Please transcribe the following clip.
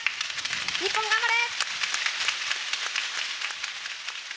日本頑張れ！